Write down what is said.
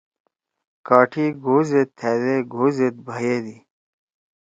کاٹھی گھو زید تھأدے گھو زید بھیَدی۔